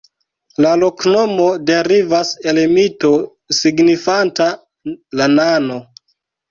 La loknomo derivas el mito signifanta "la nano".